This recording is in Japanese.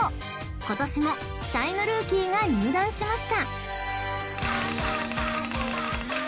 今年も期待のルーキーが入団しました］